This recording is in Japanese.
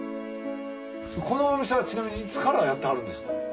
このお店はちなみにいつからやってはるんです？